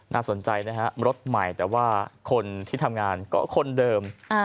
น่าสนใจนะฮะรถใหม่แต่ว่าคนที่ทำงานก็คนเดิม